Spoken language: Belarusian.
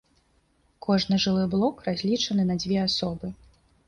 Кожны жылы блок разлічаны на дзве асобы.